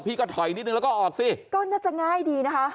พี่ก็ถอยนิดนึงแล้วก็ออกสิก็น่าจะง่ายดีนะคะ